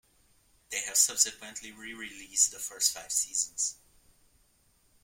They have subsequently re-released the first five seasons.